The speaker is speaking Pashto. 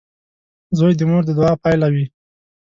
• زوی د مور د دعا پایله وي.